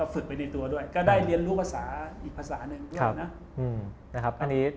ฝึกไปในตัวก็ได้เรียนรู้ภาษาอีกภาษาหนึ่ง